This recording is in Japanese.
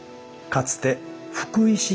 かつて「福石」。